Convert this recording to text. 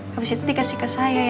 habis itu dikasih ke saya